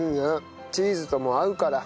チーズとも合うから。